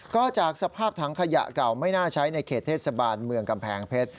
ก็จากสภาพถังขยะเก่าไม่น่าใช้ในเขตเทศบาลเมืองกำแพงเพชร